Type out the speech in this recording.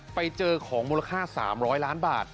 ไปเจอของมูลค่า๓๐๐ล้านบาท